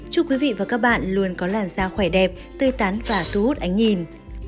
chúc quý vị và các bạn luôn có làn da khỏe đẹp tươi tán và thu hút ánh nhìn